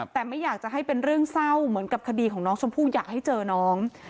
แต่ไม่อยากจะให้เป็นเรื่องเศร้าเหมือนกับคดีของน้องชมพู่อยากให้เจอน้อง